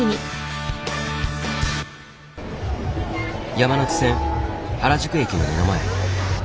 山手線原宿駅の目の前。